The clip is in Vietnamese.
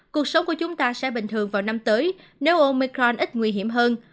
cuộc sống của chúng ta sẽ bình thường vào năm tới nếu omicron ít nguy hiểm hơn